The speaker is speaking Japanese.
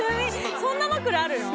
そんな枕あるの？